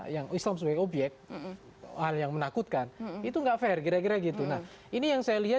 yang islam sebagai obyek hal yang menakutkan itu enggak fair kira kira gitu nah ini yang saya lihat